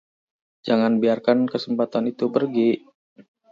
Jangan biarkan kesempatan itu pergi.